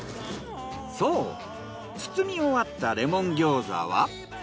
そう包み終わったレモン餃子は。